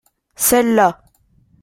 Celles-là.